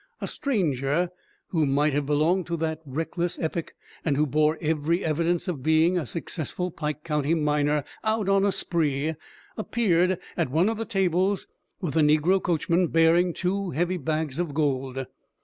A stranger, who might have belonged to that reckless epoch, and who bore every evidence of being a successful Pike County miner out on a "spree," appeared at one of the tables with a negro coachman bearing two heavy bags of gold.